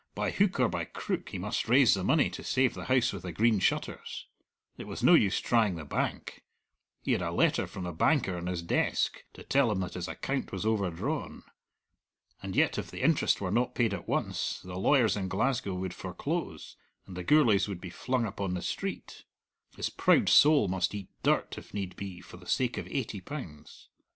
By hook or by crook he must raise the money to save the House with the Green Shutters. It was no use trying the bank; he had a letter from the banker in his desk, to tell him that his account was overdrawn. And yet if the interest were not paid at once, the lawyers in Glasgow would foreclose, and the Gourlays would be flung upon the street. His proud soul must eat dirt, if need be, for the sake of eighty pounds.